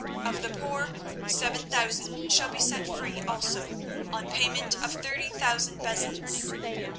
Of the poor, seven thousand shall be set free also, on payment of thirty thousand bezants.